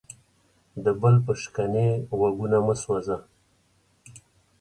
د بل په شکنې غوږونه مه سوځه.